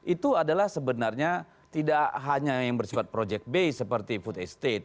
itu adalah sebenarnya tidak hanya yang bersifat project base seperti food estate